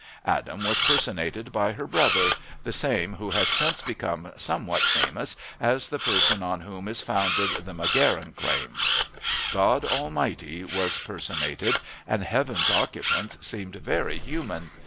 Adam was personated by her brother the same who has since become somewhat famous as the person on whom is founded the McGarrahan claim. God Almighty was personated, and heaven's occupants seemed very human.